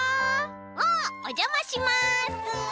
「おっおじゃまします。